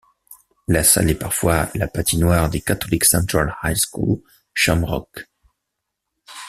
La salle est parfois la patinoire des Catholic Central High School Shamrock.